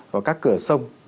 vào các cửa sông